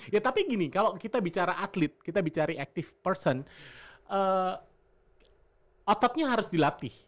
ya tapi gini kalau kita bicara atlet kita bicara active person ototnya harus dilatih